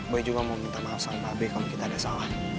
saya juga mau minta maaf sama be kalau kita ada salah